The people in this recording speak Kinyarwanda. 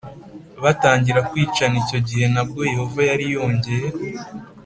batangira kwicana icyo gihe nabwo Yehova yari yongeye